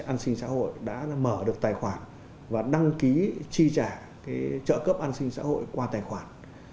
an sinh xã hội đã mở được tài khoản và đăng ký chi trả trợ cấp an sinh xã hội qua tài khoản